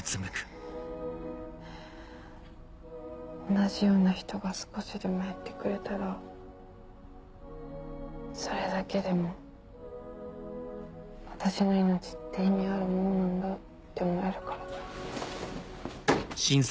同じような人が少しでも減ってくれたらそれだけでも私の命って意味あるものなんだって思えるから。